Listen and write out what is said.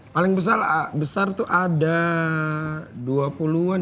paling besar besar tuh ada dua puluh an